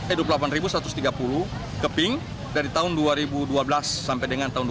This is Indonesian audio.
eh dua puluh delapan satu ratus tiga puluh keping dari tahun dua ribu dua belas sampai dengan tahun dua ribu dua puluh